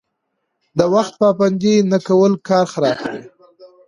د وخت پابندي نه کول کار خرابوي.